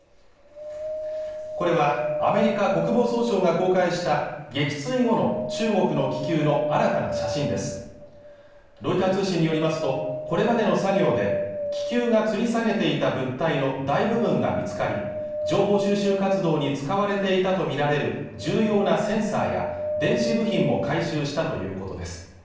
これはアメリカ国防総省が公開した撃墜後の中国の気球の新たな写真ですロイター通信によりますとこれまでの作業で気球がつり下げていた物体の大部分が見つかり情報収集活動に使われていたとみられる重要なセンサーや電子部品も回収したということです